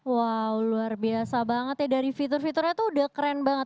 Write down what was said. wow luar biasa banget ya dari fitur fiturnya tuh udah keren banget